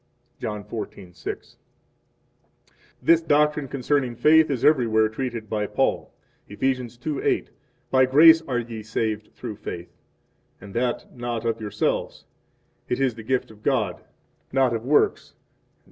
John 14:6. 11 This doctrine concerning faith is everywhere treated by Paul, Eph. 2:8: By grace are ye saved through faith; and that not of your selves; it is the gift of God, not of works, etc.